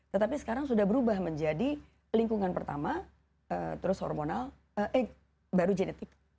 tetapi sekarang sudah berubah menjadi lingkungan pertama terus hormonal eh baru genetik